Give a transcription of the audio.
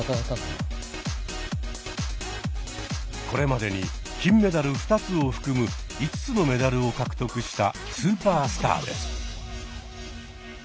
これまでに金メダル２つを含む５つのメダルを獲得したスーパースターです。